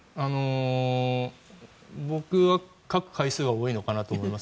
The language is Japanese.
僕は書く回数は多いのかなと思います。